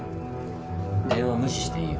電話無視していいよ。